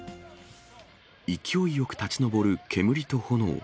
勢いよく立ち上る煙と炎。